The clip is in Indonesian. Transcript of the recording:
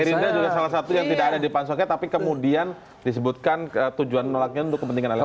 gerindra juga salah satu yang tidak ada di pansusnya tapi kemudian disebutkan tujuan menolaknya untuk kepentingan elektoral